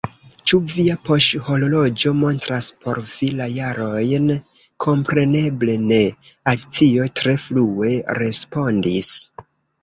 "Ĉu via poŝhorloĝo montras por vi la jarojn?" "Kompreneble ne!" Alicio tre flue respondis.